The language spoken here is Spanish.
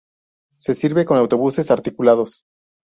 Se sirve con autobuses articulados.